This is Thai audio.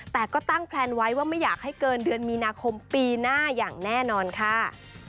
แต่ก็ตั้งแพลนไว้ว่าไม่อยากให้เกินเดือนมีนาคมปีหน้าอย่างแน่นอนค่ะ